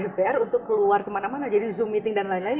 dpr untuk keluar kemana mana jadi zoom meeting dan lain lain